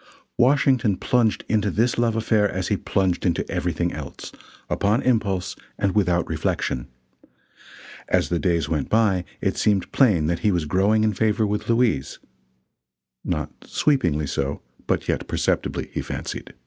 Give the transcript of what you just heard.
Washington plunged into this love affair as he plunged into everything else upon impulse and without reflection. As the days went by it seemed plain that he was growing in favor with Louise, not sweepingly so, but yet perceptibly, he fancied.